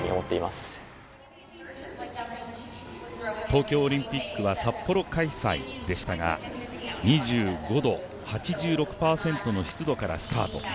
東京オリンピックは札幌開催でしたが２５度、８６％の湿度からスタート。